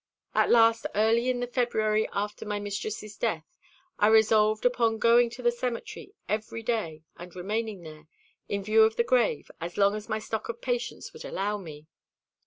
At last, early in the February after my mistress's death, I resolved upon going to the cemetery every day, and remaining there, in view of the grave, as long as my stock of patience would allow me.